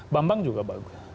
bambang juga bagus